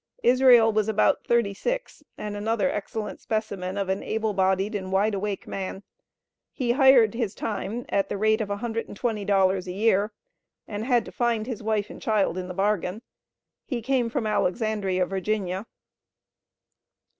Israel was about thirty six, and another excellent specimen of an able bodied and wide awake man. He hired his time at the rate of $120 a year, and had to find his wife and child in the bargain. He came from Alexandria, Va.